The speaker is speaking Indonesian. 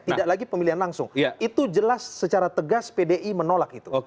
tidak lagi pemilihan langsung itu jelas secara tegas pdi menolak itu